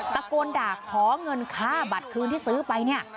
ตะโกนด่าขอเงินค่าบัตรคืนที่ซื้อไปเนี่ย